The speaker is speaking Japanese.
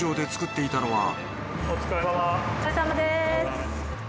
お疲れさまです。